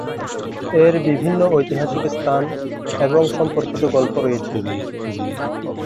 এর বিভিন্ন ঐতিহাসিক স্থান এবং সম্পর্কিত গল্প রয়েছে।